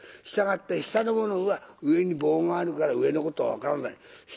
したがって下の者は上に棒があるから上のことは分からない。